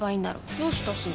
どうしたすず？